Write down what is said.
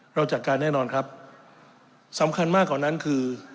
เราจัดการแน่นอนครับสำคัญมากกว่านั้นคือ